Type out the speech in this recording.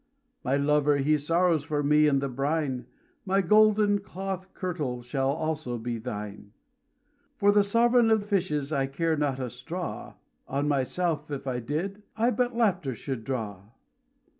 "My lover he sorrows for me in the brine, My golden cloth kirtle shall also be thine." "For the sovereign of fishes I care not a straw, On myself, if I did, I but laughter should draw.